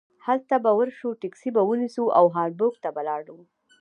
هلته به ور شو ټکسي به ونیسو او هامبورګ ته به لاړو.